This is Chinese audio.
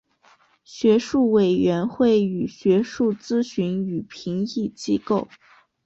学术委员会为学术咨询与评议机构。